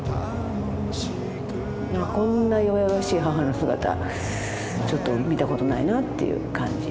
こんな弱々しい母の姿ちょっと見たことないなっていう感じ。